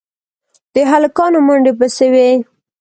د هلکانو منډې پسې وې.